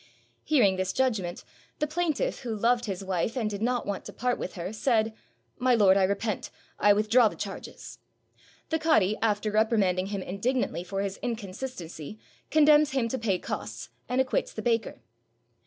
Hearing this judgment, the plaintiff, who loved his wife and did not want to part with her, said, "My lord, I repent; I withdraw the charges." The cadi, after reprimanding him indignantly for his inconsistency, condemns him to pay costs, and acquits the baker.